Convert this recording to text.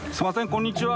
こんにちは。